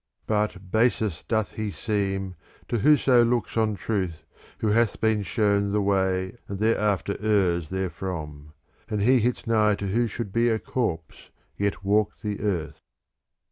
But basest doth he seem, to whoso looks on truth, who hath been shown the way and thereafter errs therefrom ; and he hits nigh to who should be a corpse yet walk the earth.